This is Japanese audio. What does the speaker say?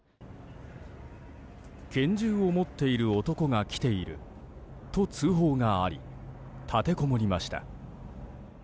拳銃を持っている男が来ていると通報があり立てこもりました。